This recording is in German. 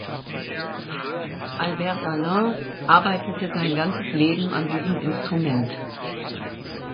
Albert Alain arbeitete sein ganzes Leben an diesem Instrument.